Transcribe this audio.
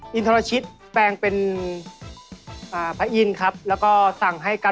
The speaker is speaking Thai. อย่างนี้เลยครับแล้วก็อย่างนี้ครับ